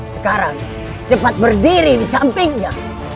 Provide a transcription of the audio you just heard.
sekarang cepat berdiri di sampingnya